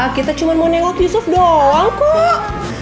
kita cuma mau nengok yusuf doang kok